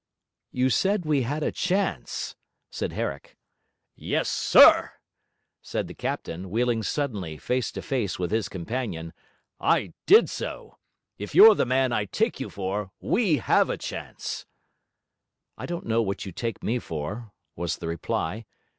'You said we had a chance,' said Herrick. 'Yes, SIR!' said the captain, wheeling suddenly face to face with his companion. 'I did so. If you're the man I take you for, we have a chance.' 'I don't know what you take me for,' was the reply.